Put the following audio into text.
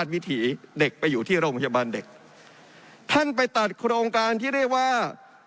วิถีเด็กไปอยู่ที่โรงพยาบาลเด็กท่านไปตัดโครงการที่เรียกว่า